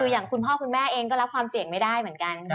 อย่างคุณพ่อคุณแม่เองก็รับความเสี่ยงไม่ได้เหมือนกัน